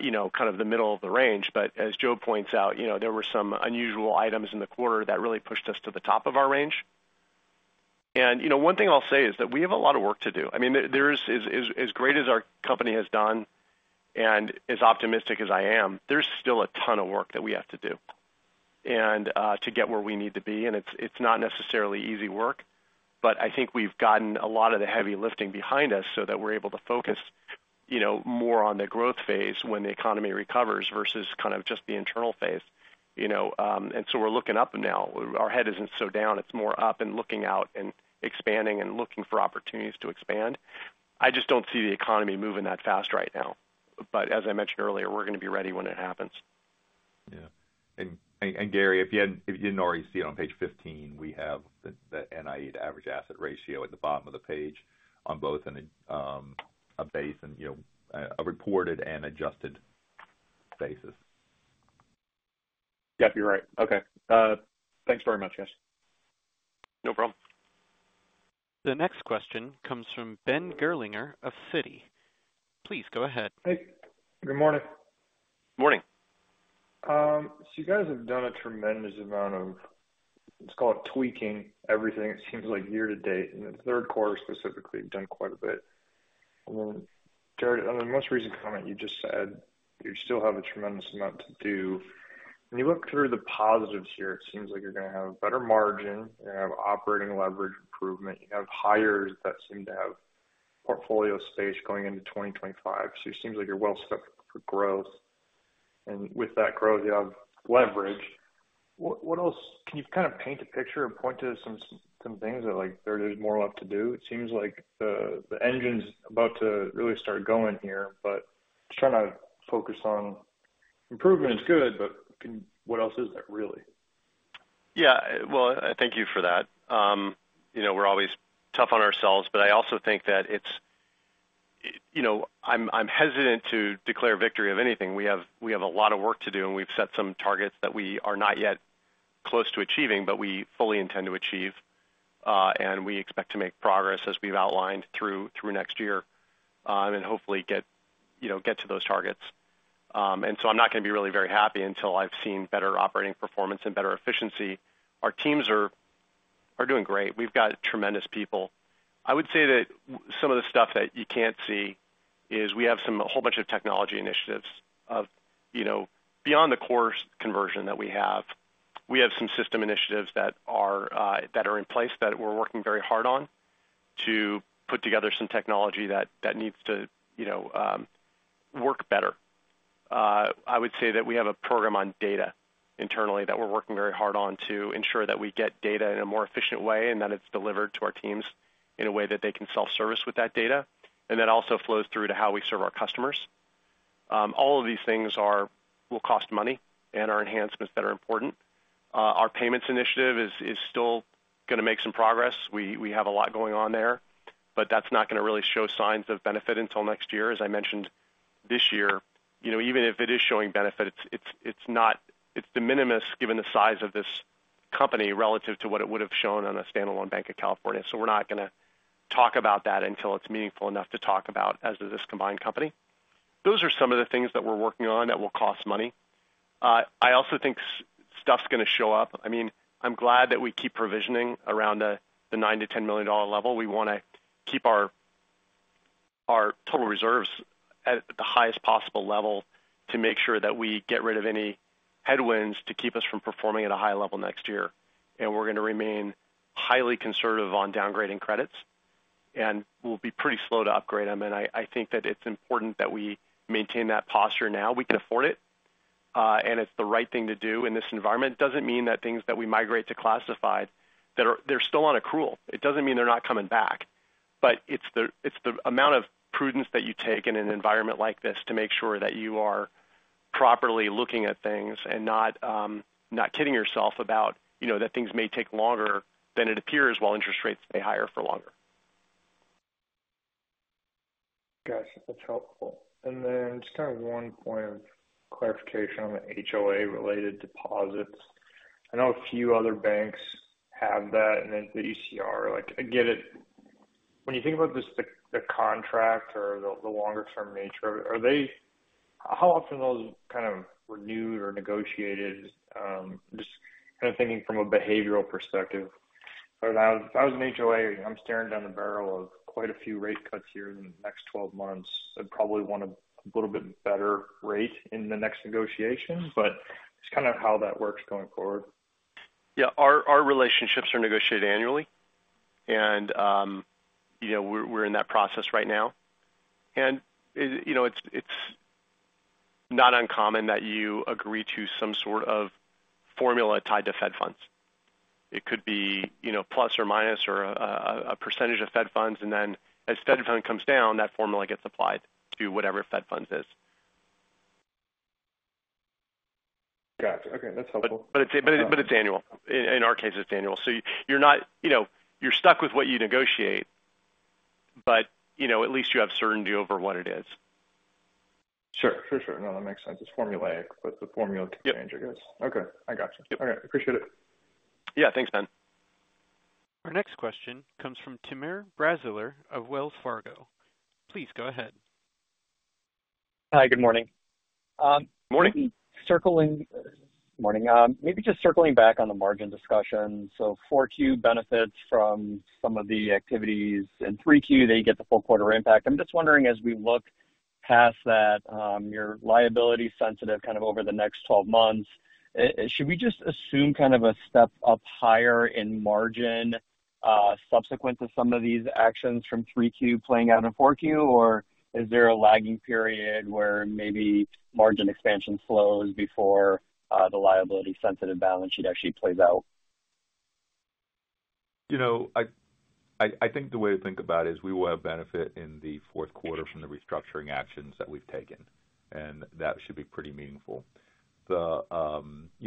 you know, kind of the middle of the range. But as Joe points out, you know, there were some unusual items in the quarter that really pushed us to the top of our range, and, you know, one thing I'll say is that we have a lot of work to do. I mean, there is, as great as our company has done and as optimistic as I am, there's still a ton of work that we have to do and to get where we need to be. It's not necessarily easy work, but I think we've gotten a lot of the heavy lifting behind us so that we're able to focus, you know, more on the growth phase when the economy recovers, versus kind of just the internal phase, you know. So we're looking up now. Our head isn't so down. It's more up and looking out and expanding and looking for opportunities to expand. I just don't see the economy moving that fast right now. But as I mentioned earlier, we're going to be ready when it happens. Yeah. And, Gary, if you didn't already see it on page 15, we have the NIE to average asset ratio at the bottom of the page on both a base and, you know, a reported and adjusted basis. Yep, you're right. Okay. Thanks very much, guys. No problem. The next question comes from Ben Gerlinger of Citi. Please go ahead. Hey, good morning. Morning. So you guys have done a tremendous amount of, let's call it, tweaking everything. It seems like year-to-date, in the third quarter specifically, you've done quite a bit. And then, Jared, on the most recent comment, you just said you still have a tremendous amount to do. When you look through the positives here, it seems like you're going to have better margin, you're going to have operating leverage improvement, you have hires that seem to have portfolio space going into 2025. So it seems like you're well set for growth. And with that growth, you have leverage. What else can you kind of paint a picture or point to some things that, like, there is more left to do? It seems like the engine's about to really start going here, but just trying to focus on improvement is good, but what else is there, really? Yeah, well, thank you for that. You know, we're always tough on ourselves, but I also think that it's. You know, I'm hesitant to declare victory of anything. We have a lot of work to do, and we've set some targets that we are not yet close to achieving, but we fully intend to achieve, and we expect to make progress as we've outlined through next year, and hopefully get, you know, get to those targets. And so I'm not going to be really very happy until I've seen better operating performance and better efficiency. Our teams are doing great. We've got tremendous people. I would say that some of the stuff that you can't see is we have some - a whole bunch of technology initiatives of, you know, beyond the course conversion that we have. We have some system initiatives that are in place that we're working very hard on to put together some technology that needs to, you know, work better. I would say that we have a program on data internally that we're working very hard on to ensure that we get data in a more efficient way, and that it's delivered to our teams in a way that they can self-service with that data, and that also flows through to how we serve our customers. All of these things will cost money and are enhancements that are important. Our payments initiative is still going to make some progress. We have a lot going on there, but that's not going to really show signs of benefit until next year. As I mentioned, this year, you know, even if it is showing benefit, it's not, it's de minimis, given the size of this company relative to what it would have shown on a standalone Banc of California. So we're not going to talk about that until it's meaningful enough to talk about as of this combined company. Those are some of the things that we're working on that will cost money. I also think stuff's going to show up. I mean, I'm glad that we keep provisioning around the $9 million-$10 million level. We want to keep our total reserves at the highest possible level to make sure that we get rid of any headwinds to keep us from performing at a high level next year. We're going to remain highly conservative on downgrading credits, and we'll be pretty slow to upgrade them. I think that it's important that we maintain that posture now. We can afford it, and it's the right thing to do in this environment. It doesn't mean that things that we migrate to classified, that are. They're still on accrual. It doesn't mean they're not coming back, but it's the amount of prudence that you take in an environment like this to make sure that you are properly looking at things and not, not kidding yourself about, you know, that things may take longer than it appears, while interest rates stay higher for longer. Got you. That's helpful. And then just kind of one point of clarification on the HOA-related deposits. I know a few other banks have that, and then the ECR. Like, I get it. When you think about this, the contract or the longer-term nature, are they? How often are those kind of renewed or negotiated? Just kind of thinking from a behavioral perspective. If I was an HOA, I'm staring down the barrel of quite a few rate cuts here in the next twelve months. I'd probably want a little bit better rate in the next negotiation, but just kind of how that works going forward. Yeah. Our relationships are negotiated annually, and, you know, we're in that process right now. And it, you know, it's not uncommon that you agree to some sort of formula tied to Fed funds. It could be, you know, plus or minus or a percentage of Fed funds, and then as Fed funds comes down, that formula gets applied to whatever Fed funds is. Got you. Okay, that's helpful. But it's annual. In our case, it's annual. So, you're stuck with what you negotiate, but, at least you have certainty over what it is. Sure. For sure. No, that makes sense. It's formulaic, but the formula can change, I guess. Yep. Okay, I got you. Yep. All right. Appreciate it. Yeah, thanks, Ben. Our next question comes from Timur Braziler of Wells Fargo. Please go ahead. Hi, good morning. Morning. Good morning, maybe just circling back on the margin discussion. So 4Q benefits from some of the activities in 3Q, they get the full quarter impact. I'm just wondering, as we look past that, you're liability sensitive, kind of over the next 12 months. Should we just assume kind of a step up higher in margin, subsequent to some of these actions from 3Q playing out in 4Q? Or is there a lagging period where maybe margin expansion slows before the liability sensitive balance sheet actually plays out? You know, I think the way to think about it is we will have benefit in the fourth quarter from the restructuring actions that we've taken, and that should be pretty meaningful. You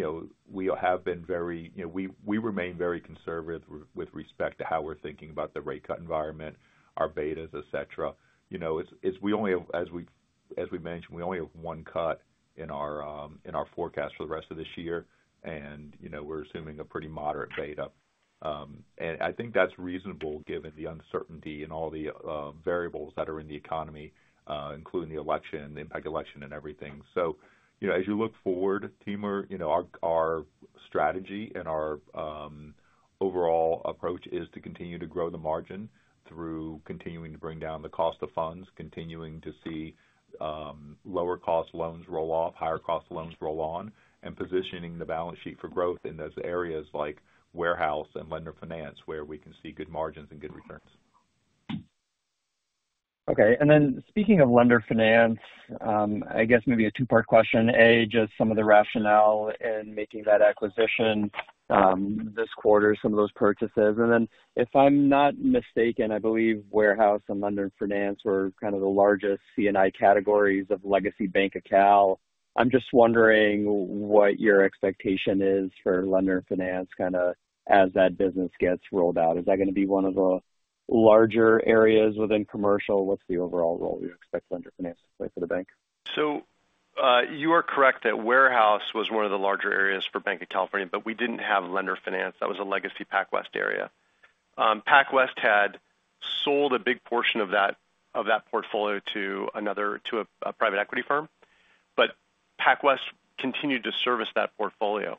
know, we have been very, you know, we remain very conservative with respect to how we're thinking about the rate cut environment, our betas, etc. You know, we only have. As we mentioned, we only have one cut in our forecast for the rest of this year, and, you know, we're assuming a pretty moderate beta. And I think that's reasonable, given the uncertainty and all the variables that are in the economy, including the election, the impact election and everything. You know, as you look forward, Timur, you know, our strategy and our overall approach is to continue to grow the margin through continuing to bring down the cost of funds, continuing to see lower cost loans roll off, higher cost loans roll on, and positioning the balance sheet for growth in those areas like warehouse and lender finance, where we can see good margins and good returns. Okay. And then speaking of lender finance, I guess maybe a two-part question. A, just some of the rationale in making that acquisition, this quarter, some of those purchases. And then, if I'm not mistaken, I believe warehouse and lender finance were kind of the largest C&I categories of legacy Banc of California. I'm just wondering what your expectation is for lender finance, kind of as that business gets rolled out. Is that going to be one of the larger areas within commercial? What's the overall role you expect lender finance to play for the bank? You are correct that warehouse was one of the larger areas for Banc of California, but we didn't have lender finance. That was a legacy PacWest area. PacWest had sold a big portion of that portfolio to a private equity firm, but PacWest continued to service that portfolio.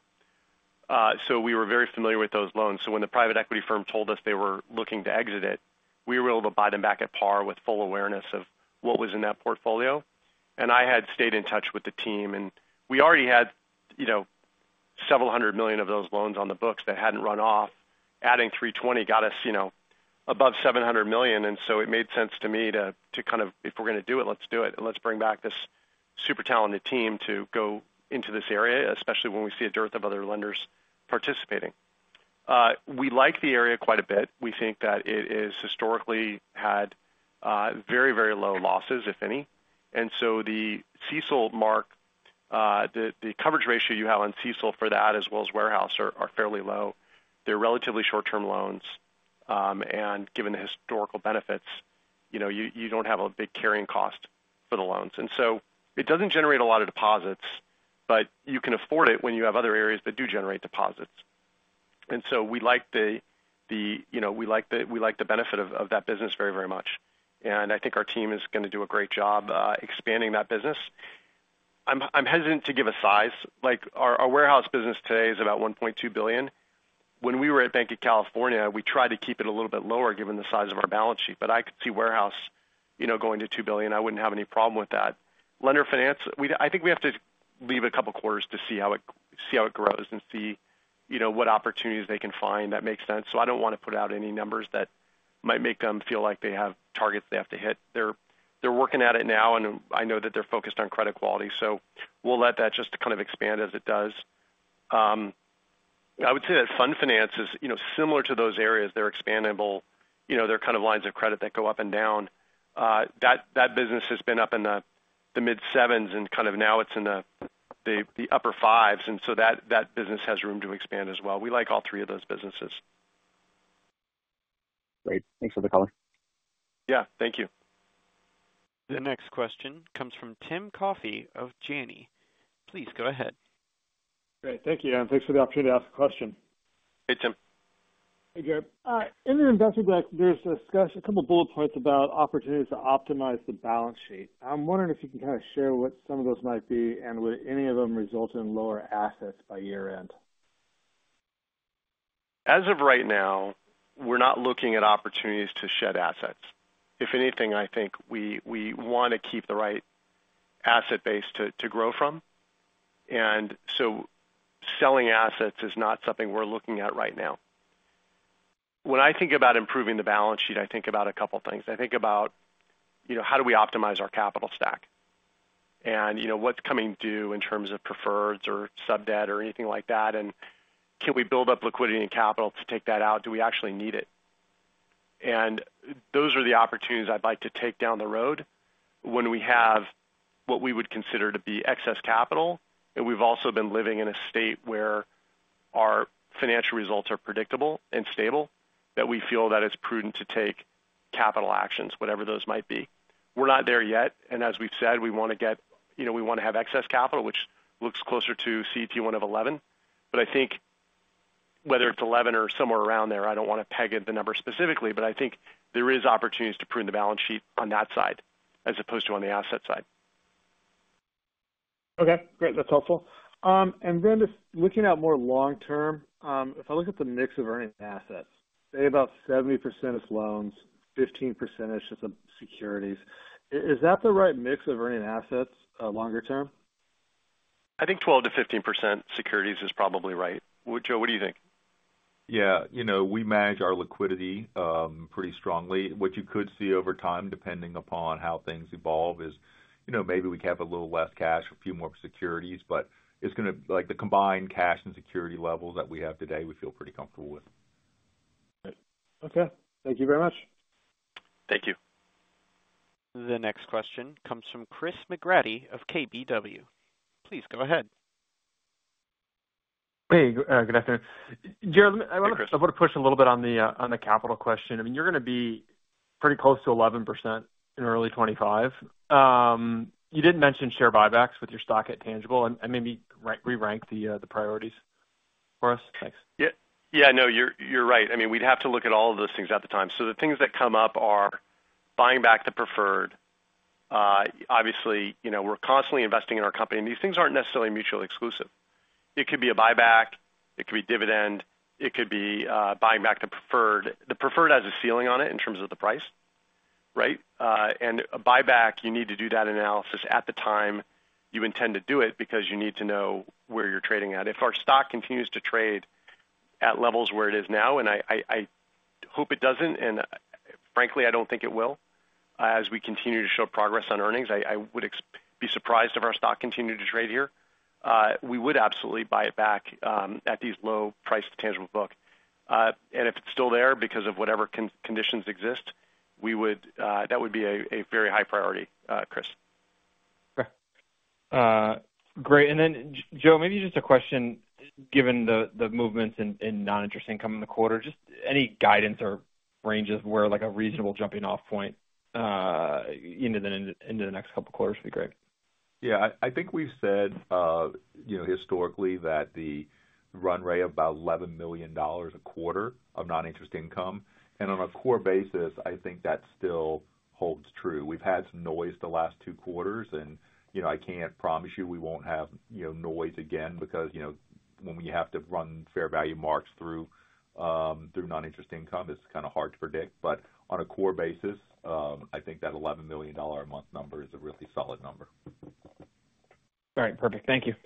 So we were very familiar with those loans. So when the private equity firm told us they were looking to exit it, we were able to buy them back at par with full awareness of what was in that portfolio. And I had stayed in touch with the team, and we already had, you know, several hundred million of those loans on the books that hadn't run off. Adding $320 million got us, you know, above $700 million, and so it made sense to me to kind of if we're gonna do it, let's do it, and let's bring back this super talented team to go into this area, especially when we see a dearth of other lenders participating. We like the area quite a bit. We think that it is historically had very, very low losses, if any. And so the CECL mark, the coverage ratio you have on CECL for that as well as warehouse are fairly low. They're relatively short-term loans. And given the historical benefits, you know, you don't have a big carrying cost for the loans. And so it doesn't generate a lot of deposits, but you can afford it when you have other areas that do generate deposits. And so we like the, you know, we like the benefit of that business very much. And I think our team is gonna do a great job expanding that business. I'm hesitant to give a size. Like, our warehouse business today is about $1.2 billion. When we were at Banc of California, we tried to keep it a little bit lower, given the size of our balance sheet, but I could see warehouse, you know, going to $2 billion. I wouldn't have any problem with that. Lender finance, we I think we have to leave a couple of quarters to see how it grows and see, you know, what opportunities they can find that makes sense. So I don't want to put out any numbers that might make them feel like they have targets they have to hit. They're working at it now, and I know that they're focused on credit quality, so we'll let that just kind of expand as it does. I would say that fund finance is, you know, similar to those areas. They're expandable. You know, they're kind of lines of credit that go up and down. That business has been up in the mid sevens, and kind of now it's in the upper 5s, and so that business has room to expand as well. We like all three of those businesses. Great. Thanks for the call. Yeah. Thank you. The next question comes from Tim Coffey of Janney. Please go ahead. Great. Thank you, and thanks for the opportunity to ask a question. Hey, Tim. Hey, Jared. In the investor deck, there's a discussion, a couple of bullet points about opportunities to optimize the balance sheet. I'm wondering if you can kind of share what some of those might be, and would any of them result in lower assets by year-end? As of right now, we're not looking at opportunities to shed assets. If anything, I think we want to keep the right asset base to grow from, and so selling assets is not something we're looking at right now. When I think about improving the balance sheet, I think about a couple things. I think about, you know, how do we optimize our capital stack? You know, what's coming due in terms of preferreds or sub debt or anything like that, and can we build up liquidity and capital to take that out? Do we actually need it? Those are the opportunities I'd like to take down the road when we have what we would consider to be excess capital, and we've also been living in a state where our financial results are predictable and stable, that we feel that it's prudent to take capital actions, whatever those might be. We're not there yet, and as we've said, we want to get, you know, we want to have excess capital, which looks closer to CET1 of 11. But I think whether it's 11 or somewhere around there, I don't want to peg it to the number specifically, but I think there is opportunities to prune the balance sheet on that side as opposed to on the asset side. Okay, great. That's helpful. And then just looking out more long term, if I look at the mix of earning assets, say about 70% is loans, 15%-ish is of securities. Is that the right mix of earning assets, longer term? I think 12%-15% securities is probably right. Joe, what do you think? Yeah. You know, we manage our liquidity pretty strongly. What you could see over time, depending upon how things evolve, is, you know, maybe we have a little less cash for a few more securities, but it's gonna, like, the combined cash and security levels that we have today, we feel pretty comfortable with. Okay. Thank you very much. Thank you. The next question comes from Chris McGratty of KBW. Please, go ahead. Hey, good afternoon. Jared, I want- Hey, Chris. I want to push a little bit on the capital question. I mean, you're gonna be pretty close to 11% in early 2025. You didn't mention share buybacks with your stock at tangible and, and maybe re-rank the priorities for us. Thanks. Yeah, you're right. I mean, we'd have to look at all of those things at the time. So the things that come up are buying back the preferred. Obviously, you know, we're constantly investing in our company, and these things aren't necessarily mutually exclusive. It could be a buyback, it could be dividend, it could be buying back the preferred. The preferred has a ceiling on it in terms of the price, right? And a buyback, you need to do that analysis at the time you intend to do it because you need to know where you're trading at. If our stock continues to trade at levels where it is now, and I hope it doesn't, and frankly, I don't think it will, as we continue to show progress on earnings, I would be surprised if our stock continued to trade here. We would absolutely buy it back at these low price to tangible book. And if it's still there because of whatever conditions exist, we would. That would be a very high priority, Chris. Great. And then Joe, maybe just a question, given the movements in non-interest income in the quarter, just any guidance or ranges where like a reasonable jumping-off point into the next couple of quarters would be great. Yeah. I think we've said, you know, historically that the run rate of about $11 million a quarter of non-interest income, and on a core basis, I think that still holds true. We've had some noise the last two quarters, and, you know, I can't promise you we won't have, you know, noise again because, you know, when we have to run fair value marks through non-interest income, it's kind of hard to predict. But on a core basis, I think that $11 million a month number is a really solid number. All right, perfect. Thank you.